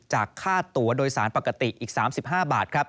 จากค่าตัวโดยสารปกติอีก๓๕บาทครับ